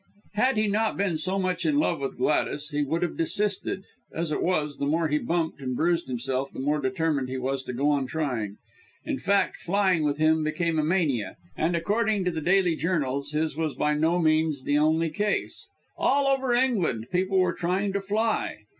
Had he not been so much in love with Gladys, he would have desisted; as it was, the more he bumped and bruised himself, the more determined he was to go on trying. In fact, flying with him became a mania; and according to the daily journals, his was by no means the only case. All over England people were trying to fly.